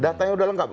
datanya sudah lengkap